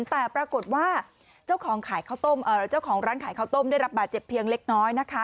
แต่ปรากฏว่าเจ้าของร้านขายข้าวต้มได้รับบาดเจ็บเพียงเล็กน้อยนะคะ